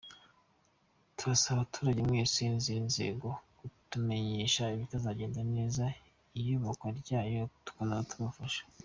Turasaba abaturage mwese, n’izindi nzego kutumenyesha ibitazagenda neza mu iyubakwa ryayo tukazaza kubafasha.